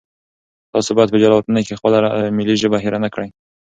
تاسو باید په جلاوطنۍ کې خپله ملي ژبه هېره نه کړئ.